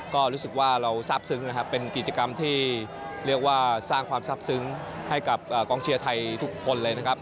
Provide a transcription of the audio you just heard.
ก็รู้สึกว่าเราทราบซึ้งนะครับเป็นกิจกรรมที่เรียกว่าสร้างความทราบซึ้งให้กับกองเชียร์ไทยทุกคนเลยนะครับ